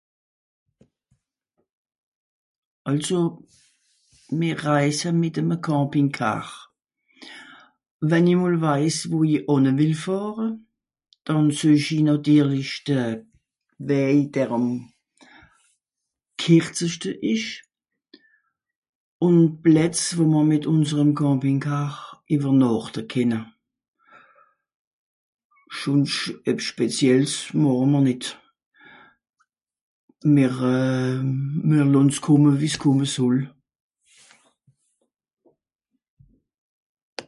Àlso, mìr reise mìt'eme Camping Car. Wenn i mol weis, wo i ànne wìll fàhre, dànn suech i nàtirlich de Wäj, der àm kìrzeschte ìsch. Ùn Plätz, wo m'r mìt ùnserem Camping Car ìwwernàchte kenne. schùnsch, ebbs speziells màche mr nìt. Mìr euh... mìr lonn's kùmme wie es kùmme soll.